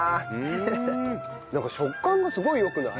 食感がすごい良くない？